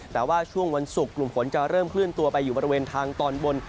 แต่ว่าช่วงวันศุกร์กลุ่มฝนจะเริ่มเคลื่อนตัวไปอยู่บริเวณทางตอนบน